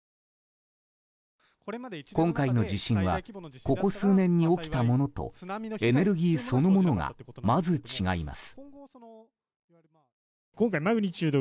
今回の地震はここ数年に起きたものとエネルギーそのものがまず違います。